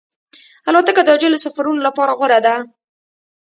الوتکه د عاجلو سفرونو لپاره غوره ده.